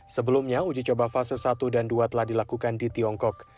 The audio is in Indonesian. sebelumnya uji coba fase satu dan dua telah dilakukan di tiongkok